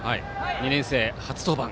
２年生初登板。